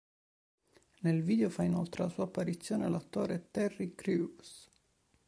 Nel video fa inoltre la sua apparizione l'attore Terry Crews.